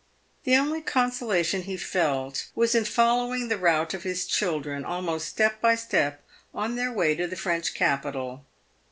The only consolation he felt was in following the route of his children, almost step by step, on their way to the French capital.